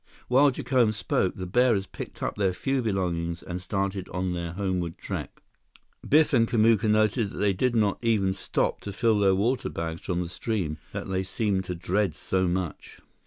While Jacome spoke, the bearers picked up their few belongings and started on their homeward trek. Biff and Kamuka noted that they did not even stop to fill their water bags from the stream that they seemed to dread so much.